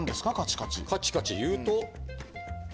カチカチいうと。